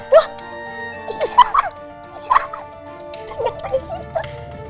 ternyata di situ